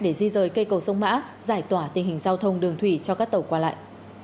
để di rời cây cầu sông mã giải tỏa tình hình giao thông đường thủy cho các tàu qua lại